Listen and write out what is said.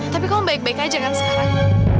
tapi kok baik baik aja kan sekarang